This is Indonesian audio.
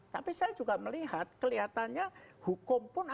tapi saya juga melihat kelihatannya hukum pun akan dipaksakan